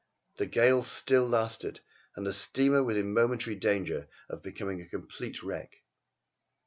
The gale still lasted, and the steamer was in momentary danger of becoming a complete wreck.